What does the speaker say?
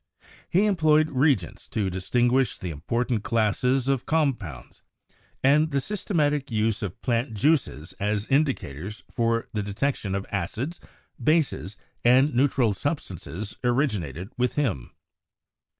He employed reagents to distin guish the important classes of compounds, and the sys tematic use of plant juices as indicators for the detection of acids, bases and neutral substances originated with him.